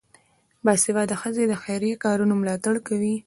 باسواده ښځې د خیریه کارونو ملاتړ کوي.